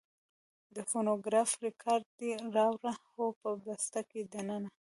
د فونوګراف رېکارډ دې راوړ؟ هو، په بسته کې دننه.